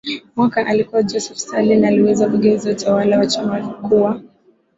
mwaka alikuwa Josef Stalin aliyeweza kugeuza utawala wa chama kuwa